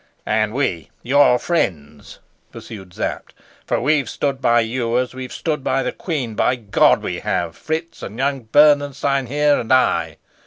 "And we, your friends?" pursued Sapt. "For we've stood by you as we've stood by the queen, by God we have Fritz, and young Bernenstein here, and I.